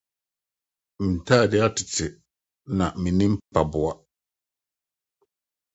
Me ntade atetew, na minni mpaboa.